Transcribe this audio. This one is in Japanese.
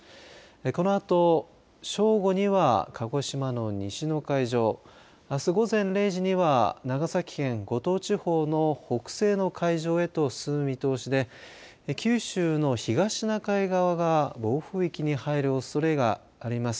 このあと正午には鹿児島の西の海上、あす午前０時には長崎県五島地方の北西の海上へと進む見通しで九州の東シナ海側が暴風域に入るおそれがあります。